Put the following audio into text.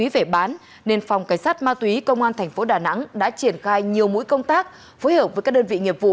và công an tp đà nẵng đã triển khai nhiều mũi công tác phối hợp với các đơn vị nghiệp vụ